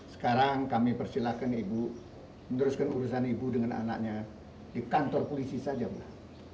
sekarang kami persilahkan ibu meneruskan urusan ibu dengan anaknya di kantor polisi saja mbak